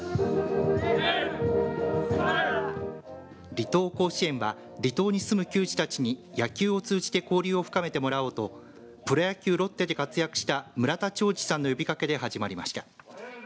離島甲子園は離島に住む球児たちに野球を通じて交流を深めてもらおうとプロ野球、ロッテで活躍した村田兆治さんの呼びかけで始まりました。